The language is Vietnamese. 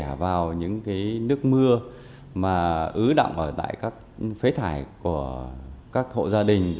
để vào những nước mưa mà ứ động ở tại các phế thải của các hộ gia đình